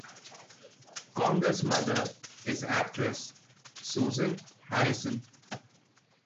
Conger's mother is actress Susan Harrison.